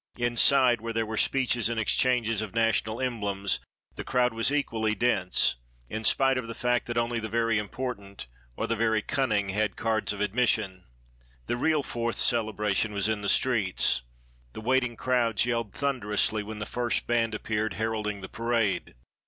Inside, where there were speeches and exchanges of national emblems, the crowd was equally dense, in spite of the fact that only the very important or the very cunning had cards of admission. The real Fourth celebration was in the streets. The waiting crowds yelled thunderously when the first band appeared, heralding the parade.